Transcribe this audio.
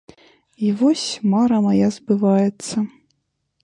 І вось мара мая збываецца.